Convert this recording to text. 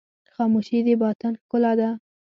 خاموشي، د باطن ښکلا ده.